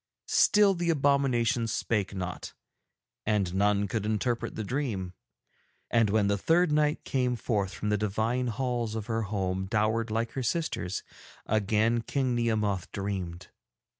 'Still the abominations spake not, and none could interpret the dream. And when the third night came forth from the divine halls of her home dowered like her sisters, again King Nehemoth dreamed.